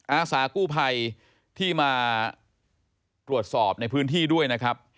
อาสากู้ภัยที่มาตรวจสอบในพื้นที่ด้วยนะครับ